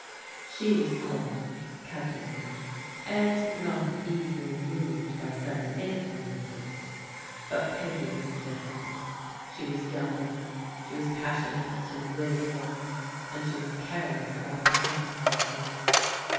She was cold, calculating, and not easily moved by sudden influences; but Peggy was different. She was younger, she was passionate and wil ful, and she was careless about consequences.